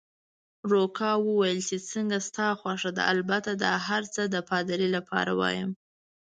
روکا وویل: چې څنګه ستا خوښه ده، البته دا هرڅه د پادري لپاره وایم.